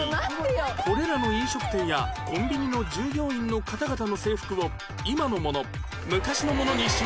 これらの飲食店やコンビニの従業員の方々の制服を今のもの昔のものに仕分けてください